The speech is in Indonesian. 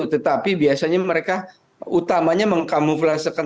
tetapi biasanya mereka utamanya mengkamuflasekan